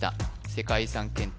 世界遺産検定